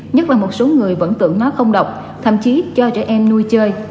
nhất là một số người vẫn tưởng nó không độc thậm chí cho trẻ em nuôi chơi